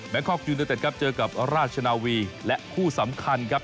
คอกยูเนเต็ดครับเจอกับราชนาวีและคู่สำคัญครับ